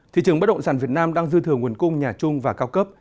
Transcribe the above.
thị trường bắt động rằng việt nam đang dư thừa nguồn cung nhà chung và cao cấp